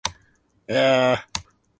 ewfegqrgq